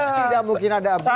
tidak mungkin ada abuse